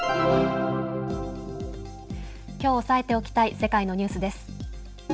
きょう押さえておきたい世界のニュースです。